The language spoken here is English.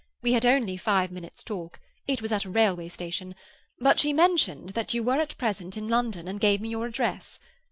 We had only five minutes' talk (it was at a railway station), but she mentioned that you were at present in London, and gave me your address.